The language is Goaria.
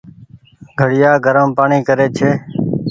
گھڙيآ گرم پآڻيٚ ڪري ڇي۔